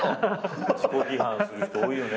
自己批判する人多いよね